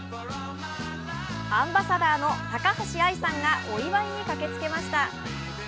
アンバサダーの高橋愛さんがお祝いに駆けつけました。